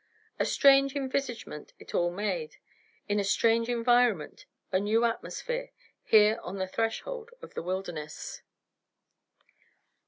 A strange envisagement it all made, in a strange environment, a new atmosphere, here on the threshold of the wilderness.